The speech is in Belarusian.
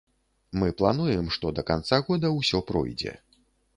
Мы плануем, што да канца года ўсё пройдзе.